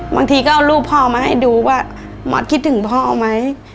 บางทีก็เอารูปพ่อมาให้ดูว่าหมอคิดถึงพ่อไหม